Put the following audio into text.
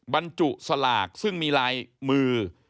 บรรจุสลากซึ่งมีลายมือ